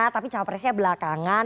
tapi capresnya belakangan